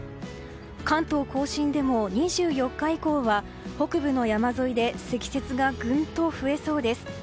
関東・甲信でも２４日以降は北部の山沿いで積雪がぐんと増えそうです。